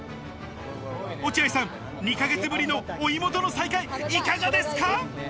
落合さん、２か月ぶりのお芋との再会いかがですか？